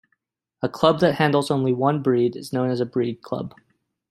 A club that handles only one breed is known as a breed club.